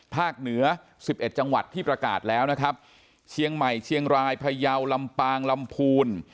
เหนือ๑๑จังหวัดที่ประกาศแล้วนะครับเชียงใหม่เชียงรายพยาวลำปางลำพูน